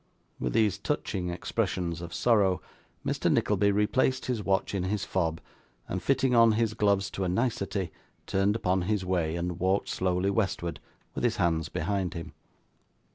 With these touching expressions of sorrow, Mr Nickleby replaced his watch in his fob, and, fitting on his gloves to a nicety, turned upon his way, and walked slowly westward with his hands behind him.